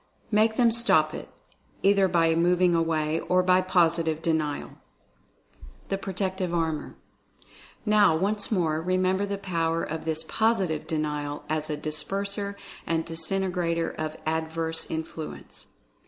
Make them stop it, either by moving away, or by POSITIVE DE NIAL. THE PROTECTIVE ARMOR. Now, once more, remember the power of this POS ITIVE DENIAL as a disperser, and disintegrator of Adverse Influence.